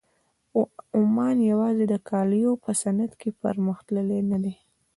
عمان یوازې د کالیو په صنعت کې پرمخ تللی نه دی.